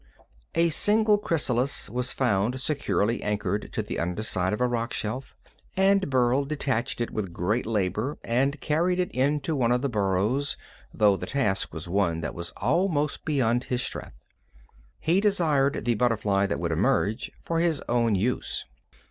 A single chrysalis was found securely anchored to the underside of a rock shelf, and Burl detached it with great labor and carried it into one of the burrows, though the task was one that was almost beyond his strength. He desired the butterfly that would emerge for his own use.